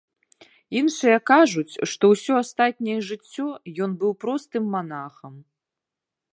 Іншыя кажуць, што ўсё астатняе жыццё ён быў простым манахам.